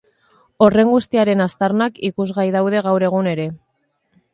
Horren guztiaren aztarnak ikusgai daude gaur egun ere.